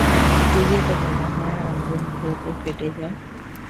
যদি এটা বোমা হয় আর আমাদের মুখের ওপর ফেটে যায়?